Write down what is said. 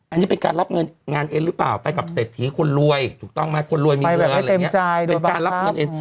อันนี้เป็นการรับเงินงานเอ็นหรือเปล่าไปกับเศรษฐีคนรวยถูกต้องไหมคนรวยมีรวยอะไรอย่างนี้เป็นการรับเงินเอ็น